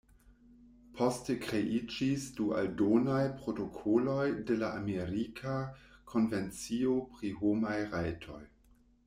Poste kreiĝis du aldonaj protokoloj de la Amerika Konvencio pri Homaj Rajtoj.